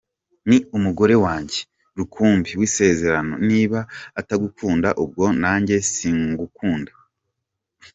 Ni umugore wanjye rukumbi w’isezerano, niba atagukunda ubwo nanjye singukunda.